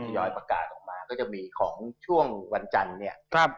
ยอยประกาศออกมาก็จะมีของช่วงวันจันทร์เนี่ย